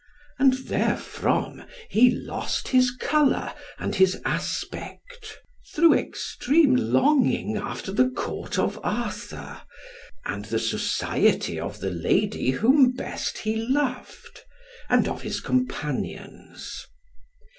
And therefrom he lost his colour and his aspect, through extreme longing after the Court of Arthur, and the society of the lady whom best he loved, and of his companions.